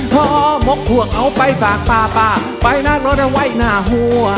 พอโมกหัวกเอาไปฝากป่าป่าไปนักรถไว้หน้าหัว